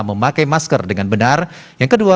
memakai masker dengan benar yang kedua